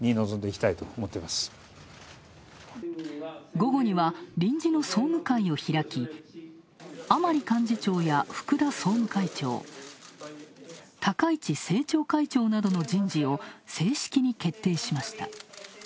午後には臨時の総務会を開き、甘利幹事長や福田総務会長、高市政調会長などの人事を正式に決定しました。